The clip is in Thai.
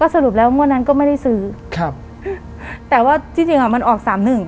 สรุปแล้วงวดนั้นก็ไม่ได้ซื้อครับแต่ว่าที่จริงอ่ะมันออกสามหนึ่ง